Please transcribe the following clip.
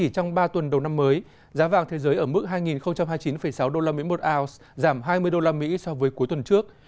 trong ba tuần đầu năm mới giá vàng thế giới ở mức hai hai mươi chín sáu usd một ounce giảm hai mươi usd so với cuối tuần trước